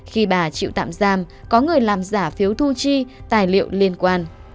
khi bà chịu tạm giam có người làm giả phiếu thu chi tài liệu liên quan